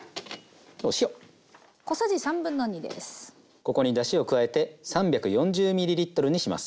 ここにだしを加えて３４０ｍにします。